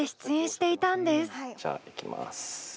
じゃあいきます。